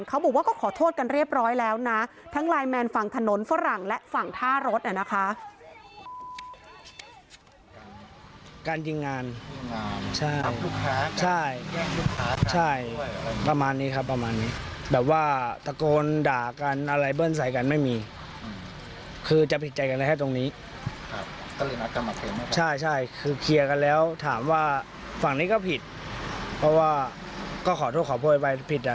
เขาบอกว่าก็ขอโทษกันเรียบร้อยแล้วนะทั้งไลน์แมนฝั่งถนนฝรั่งและฝั่งท่ารถนะคะ